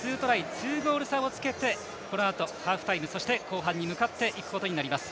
２ゴール差をつけてこのあと、ハーフタイムそして後半に向かっていくことになります。